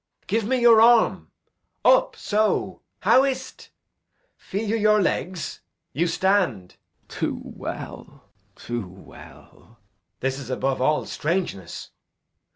Edg. Give me your arm. Up so. How is't? Feel you your legs? You stand. Glou. Too well, too well. Edg. This is above all strangeness.